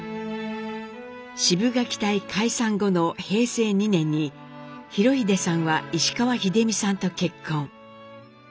シブがき隊解散後の平成２年に裕英さんは石川秀美さんと結婚。